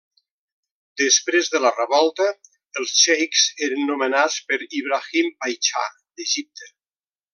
Després de la revolta, els xeics eren nomenats per Ibrahim Paixà d'Egipte.